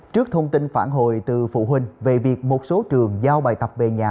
trước thông tin phản hồi từ phụ huynh về việc một số trường giao bài tập về nhà